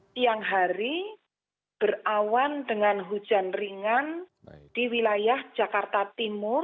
siang hari berawan dengan hujan ringan di wilayah jakarta timur